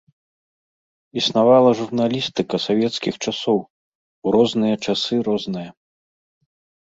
Існавала журналістыка савецкіх часоў, у розныя часы розная.